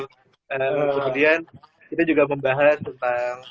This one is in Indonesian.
kemudian kita juga membahas tentang